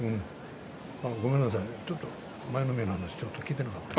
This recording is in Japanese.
ごめんなさいちょっと舞の海の話聞いてなかった。